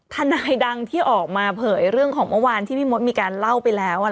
ทนายดังที่ออกมาเผยเรื่องของเมื่อวานที่พี่มดมีการเล่าไปแล้ว